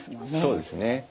そうですね。